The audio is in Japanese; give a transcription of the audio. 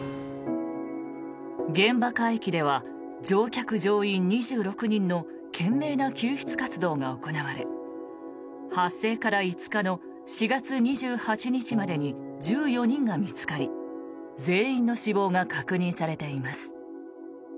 現場海域では乗客・乗員２６人の懸命な救出活動が行われ発生から５日の４月２８日までに１４人が見つかり全員の死亡が確認されています。